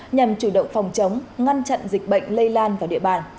nhằm chủ động phòng chống ngăn chặn dịch bệnh lây lan vào địa bàn